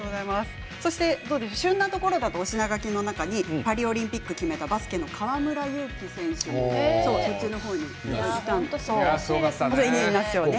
旬なところだと推し名書きの中にパリオリンピックを決めたバスケの河村勇輝選手いますね。